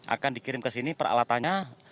akan dikirim ke sini peralatannya